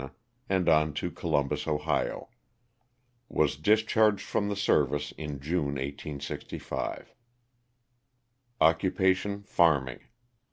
and on to Columbus, Ohio. Was discharged from the service in June, 1865. Occupation, farming.